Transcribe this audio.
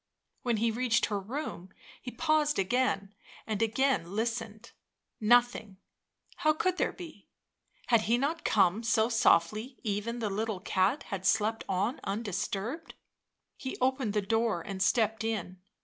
When he reached her room he paused again, and again listened. Nothing — how could there be ? Had he not come so softly even the little cat had slept on undisturbed 1 He opened the door and stepped in.